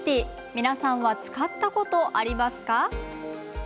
皆さんは使ったことありますか？